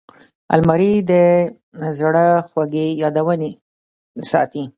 الماري د زړه خوږې یادونې ساتي